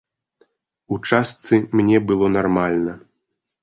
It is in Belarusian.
У частцы мне было нармальна.